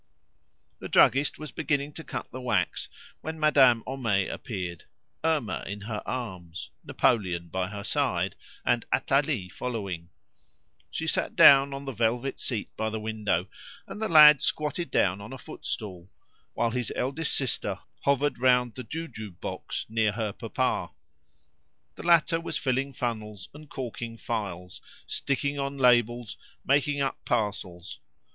The druggist was beginning to cut the wax when Madame Homais appeared, Irma in her arms, Napoleon by her side, and Athalie following. She sat down on the velvet seat by the window, and the lad squatted down on a footstool, while his eldest sister hovered round the jujube box near her papa. The latter was filling funnels and corking phials, sticking on labels, making up parcels.